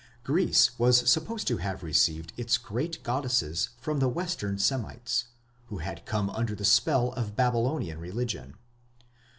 Greece was supposed to have received its great goddesses from the western Semites, who had come under the spell of Babylonian religion.